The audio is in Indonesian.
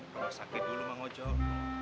rumah sakit dulu mengocok